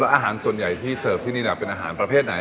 อาหารส่วนใหญ่ที่เสิร์ฟที่นี่เป็นอาหารประเภทไหน